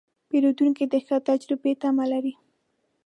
پیرودونکی د ښه تجربې تمه لري.